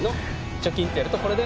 チョキンとやるとこれで。